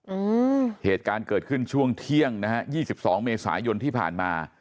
อืมเหตุการณ์เกิดขึ้นช่วงเที่ยงนะฮะยี่สิบสองเมษายนที่ผ่านมา